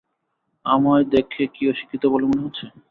আমায় দেখে কি অশিক্ষিত বলে মনে হচ্ছে?